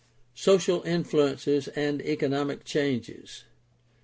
Social influences and economic changes.